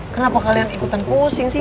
kenapa kalian ikutan pusing sih